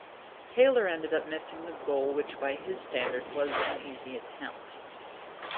Taylor ended up missing the goal which by his standards was an easy attempt.